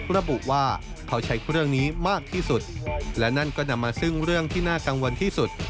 ระบุว่าเขาใช้เครื่องนี้มากที่สุดและนั่นก็นำมาซึ่งเรื่องที่น่ากังวลที่สุด